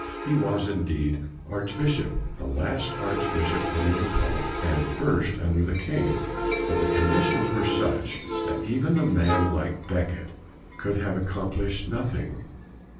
He was, indeed, arch bishop, the last archbiship under the pope, the first under the king. But the condi tions were such that even a man like CRANMER 83 Becket could have accomplished nothing.